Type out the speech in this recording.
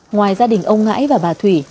ngoài gia đình ông ngãi và bà thủy